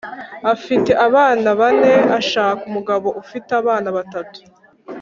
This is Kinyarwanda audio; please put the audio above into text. afite abana bane ashaka umugabo ufite abana batatu